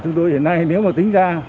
chúng tôi hiện nay nếu mà tính ra